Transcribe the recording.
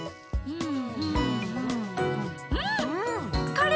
うん。